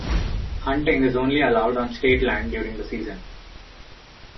Hunting is only allowed on state land during the season.